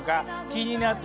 気になる。